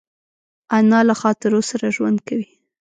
انا له خاطرو سره ژوند کوي